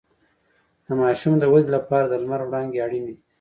د ماشوم د ودې لپاره د لمر وړانګې اړینې دي